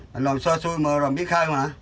mình làm xôi xui mà rồi biết khai mà